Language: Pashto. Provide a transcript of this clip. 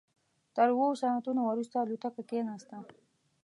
تر اوو ساعتونو وروسته الوتکه کېناسته.